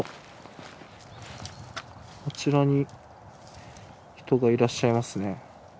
あちらに人がいらっしゃいますね。